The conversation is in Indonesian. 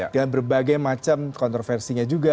dengan berbagai macam kontroversinya juga